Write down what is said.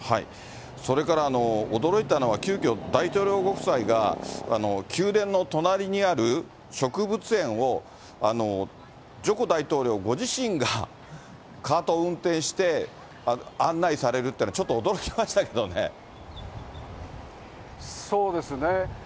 それから驚いたのは、急きょ、大統領ご夫妻が宮殿の隣にある植物園を、ジョコ大統領ご自身がカートを運転して案内されるっていうのは、そうですね。